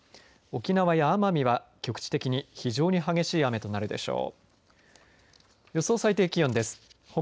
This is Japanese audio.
沖縄や奄美は局地的に非常に激しい雨となるでしょう。